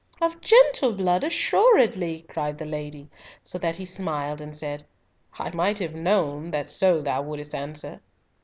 "Of gentle blood, assuredly," cried the lady, so that he smiled and said, "I might have known that so thou wouldst answer."